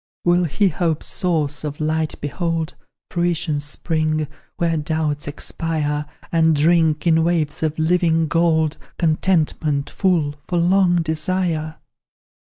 "Will he hope's source of light behold, Fruition's spring, where doubts expire, And drink, in waves of living gold, Contentment, full, for long desire?